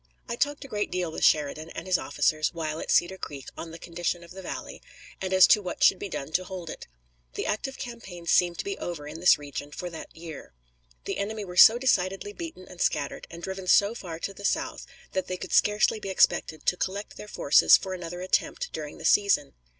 I talked a great deal with Sheridan and his officers while at Cedar Creek on the condition of the valley, and as to what should be done to hold it. The active campaign seemed to be over in this region for that year. The enemy were so decidedly beaten and scattered, and driven so far to the south, that they could scarcely be expected to collect their forces for another attempt during the season.